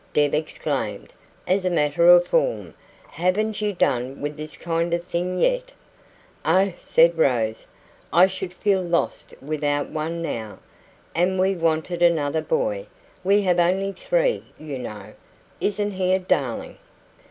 Deb exclaimed, as a matter of form. "Haven't you done with this kind of thing yet?" "Oh," said Rose, "I should feel lost without one now. And we wanted another boy we have only three, you know. Isn't he a darling?"